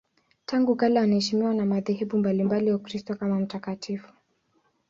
Tangu kale anaheshimiwa na madhehebu mbalimbali ya Ukristo kama mtakatifu.